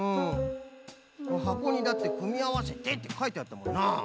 はこにだって「くみあわせて」ってかいてあったもんな。